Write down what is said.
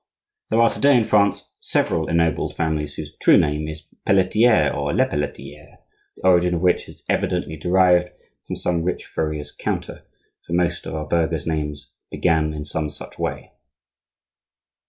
There are to day in France several ennobled families whose true name is Pelletier or Lepelletier, the origin of which is evidently derived from some rich furrier's counter, for most of our burgher's names began in some such way.